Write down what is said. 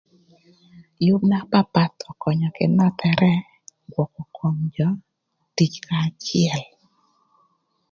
Yüb na papath ökönya kï nöthërë rwök ï kom jö tic kanya acël.